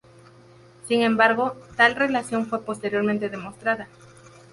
Sin embargo, tal relación fue posteriormente demostrada.